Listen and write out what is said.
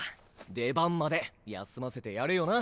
出番まで休ませてやれよな。